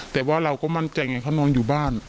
แต่ว่าเราก็มั่นใจไงเขานอนอยู่บ้าน